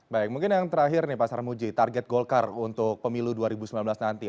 baik mungkin yang terakhir nih pak sarmuji target golkar untuk pemilu dua ribu sembilan belas nanti